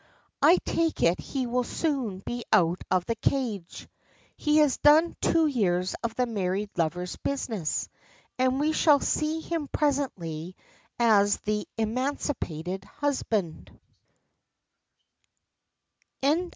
"I take it he will soon be out of the cage. He has done two years of the married lover's business, and we shall see him presently as the emancipated husband."